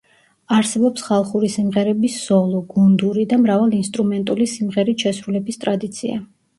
არსებობს ხალხური სიმღერების სოლო, გუნდური და მრავალ ინსტრუმენტული სიმღერით შესრულების ტრადიცია.